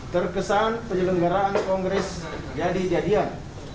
terkesan penyelenggaraan kongres jadi jadian